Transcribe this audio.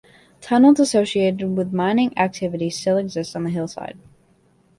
Tunnels associated with mining activity still exist on the hillside.